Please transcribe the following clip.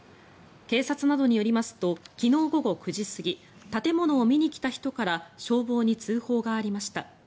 警察などによりますと昨日午後９時過ぎ建物を見に来た人から消防に通報がありました。